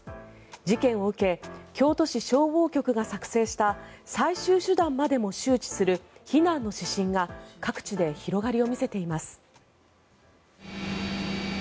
事件を受け京都市消防局が作成した最終手段までも周知する避難の指針が各地で広がりを見せています。